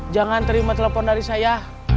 jangan terima telepon dari saya